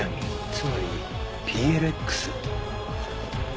つまりＰＬＸ！